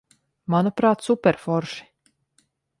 Manuprāt, superforši.